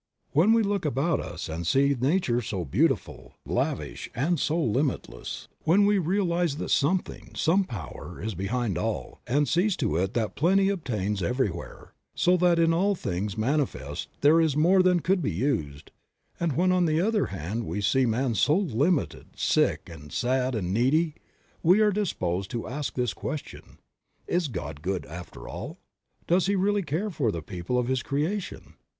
When we look about us and see nature so beautiful, so Creative Mind. 11 lavish and so limitless, when we realize that something, some power, is behind all, and sees to it that plenty obtains everywhere, so that in all things manifest there is more than could be used; and when on the other hand we see man so limited, sick, sad and needy, we are disposed to ask this question : "Is God good after all ? Does He really care for the people of His creation